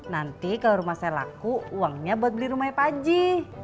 nanti kalau rumah saya laku uangnya buat beli rumahnya paji